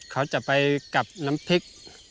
เขาจะไปกับน้ำพริก